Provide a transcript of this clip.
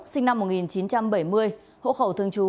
sinh năm một nghìn chín trăm bảy mươi hộ khẩu thường trú